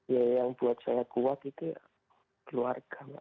ya yang buat saya kuat itu keluarga mbak